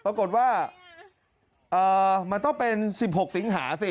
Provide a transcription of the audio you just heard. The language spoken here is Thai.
ปรากฏว่าเอ่อมันต้องเป็นสิบหกสิงหาสิ